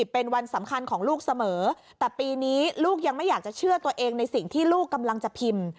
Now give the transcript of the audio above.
เป็นวันสำคัญของลูกเสมอแต่ปีนี้ลูกยังไม่อยากจะเชื่อตัวเองในสิ่งที่ลูกกำลังจะพิมพ์